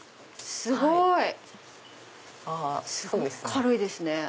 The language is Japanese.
すごく軽いですね。